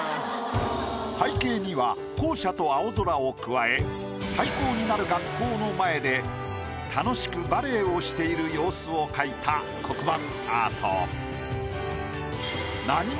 背景には校舎と青空を加え廃校になる学校の前で楽しくバレーをしている様子を描いた黒板アート。